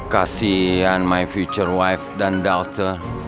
kasian my future wife dan daughter